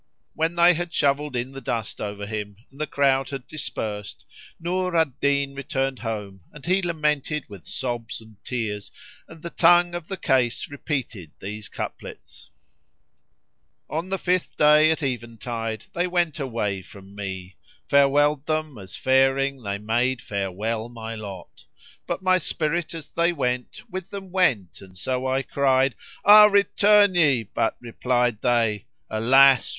When they had shovelled in the dust over him and the crowd had dispersed, Nur al Din returned home and he lamented with sobs and tears; and the tongue of the case repeated these couplets, "On the fifth day at even tide they went away from me: * I farewelled them as faring they made farewell my lot: But my spirit as they went, with them went and so I cried, * 'Ah return ye!' but replied she, 'Alas!